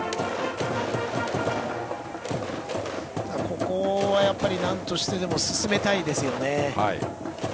ここはやっぱりなんとしてでも進めたいですよね。